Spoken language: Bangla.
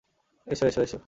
এসো, এসো, এসো!